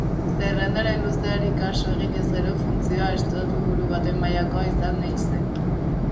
Zerrendaren luzeari kasu eginez gero, funtzioa estatuburu baten mailakoa izan ei zen.